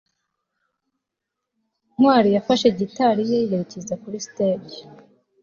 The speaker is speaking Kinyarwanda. ntwali yafashe gitari ye yerekeza kuri stage